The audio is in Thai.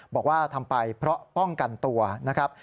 บอกว่าทำไปเพราะป้องกันตัวนะครับ